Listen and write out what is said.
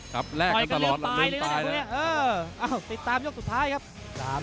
ครับแลกกันตลอดลืมตายแล้วเออติดตามยกสุดท้ายครับ